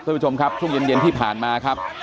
ทุกคนผู้ชมครับช่วงเย็นเย็นที่ผ่านมาครับ